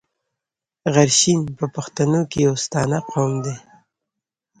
غرشین په پښتنو کښي يو ستانه قوم دﺉ.